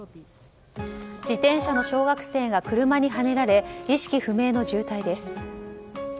自転車の小学生が車にはねられ意識不明の重体です。